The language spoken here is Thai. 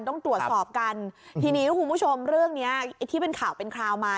ต้องตรวจสอบกันทีนี้คุณผู้ชมเรื่องนี้ที่เป็นข่าวเป็นคราวมา